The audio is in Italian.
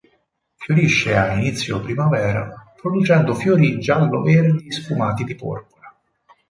Fiorisce a inizio primavera producendo fiori giallo-verdi sfumati di porpora.